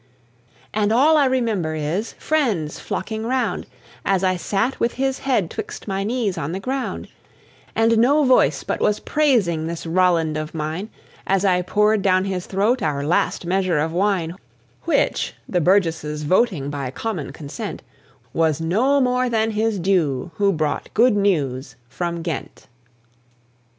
And all I remember is friends flocking round As I sat with his head 'twixt my knees on the ground; And no voice but was praising this Roland of mine, As I poured down his throat our last measure of wine, Which (the burgesses voting by common consent) Was no more than his due who brought the good news from Ghent.